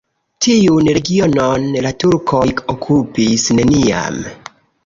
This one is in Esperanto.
Tiun regionon la turkoj okupis neniam.